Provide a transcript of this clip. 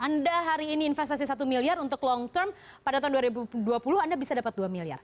anda hari ini investasi satu miliar untuk long term pada tahun dua ribu dua puluh anda bisa dapat dua miliar